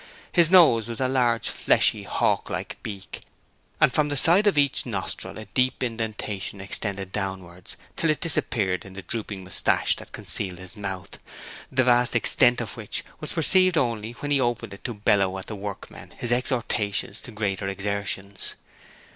His nose was a large, fleshy, hawklike beak, and from the side of each nostril a deep indentation extended downwards until it disappeared in the dropping moustache that concealed his mouth, the vast extent of which was perceived only when he opened it to bellow at the workmen his exhortations to greater exertions.